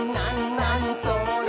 なにそれ？」